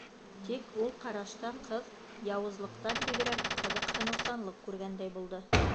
Тик ул ҡарашта ҡыҙ яуызлыҡтан бигерәк ҡыҙыҡһыныусанлыҡ күргәндәй булды.